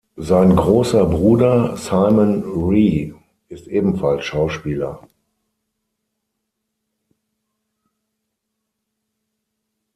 Sein großer Bruder Simon Rhee ist ebenfalls Schauspieler.